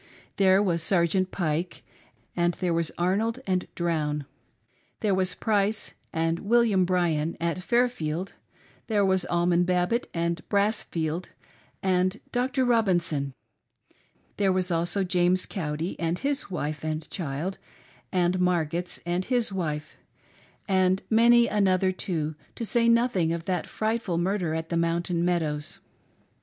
There was Sergeant Pike, and there was Arnold and DrownJ There was Price and William Bryan at Fairfield ; there was Almon Babbitt, and Brassfield, and Dr. Robinson; there was also James Cowdy and his wife and child, and Margetts and his wife ; and many another, too, — to say nothing of that frightful murder at the Mountain Meadows.